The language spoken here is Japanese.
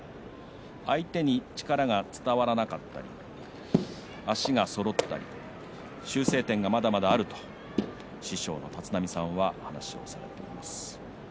相手に力が伝わらなかったり足がそろったり修正点がまだまだあると師匠の立浪さんは話をしています。